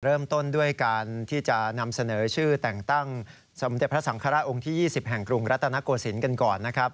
เริ่มต้นด้วยการที่จะนำเสนอชื่อแต่งตั้งสมเด็จพระสังฆราชองค์ที่๒๐แห่งกรุงรัตนโกศิลป์กันก่อนนะครับ